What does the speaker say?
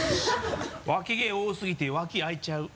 「脇毛多すぎて脇あいちゃう」